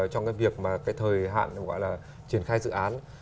trong cái việc mà cái thời hạn gọi là triển khai dự án